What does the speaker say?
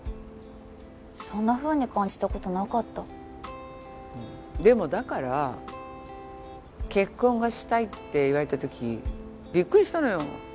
そんなふうに感じたことなかったでもだから結婚がしたいって言われたときびっくりしたのよ